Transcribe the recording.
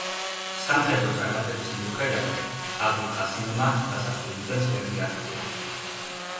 სამხედრო წარმატების მიუხედავად აბულ კასიმმა დასახულ მიზანს ვერ მიაღწია.